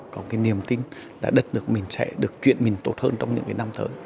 có cái niềm tin là đất nước mình sẽ được chuyện mình tốt hơn trong những cái năm tới